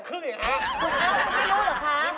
ไม่รู้หรือครับ